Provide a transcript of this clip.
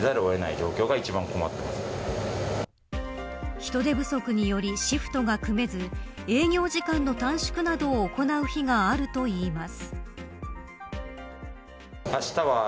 人手不足によりシフトが組めず営業時間の短縮などを行う日があるといいます。